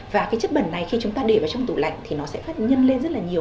và cái chất bẩn này khi chúng ta để vào trong tủ lạnh thì nó sẽ phát nhân lên rất là nhiều